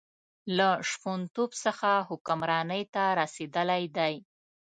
له شپونتوب څخه حکمرانۍ ته رسولی دی.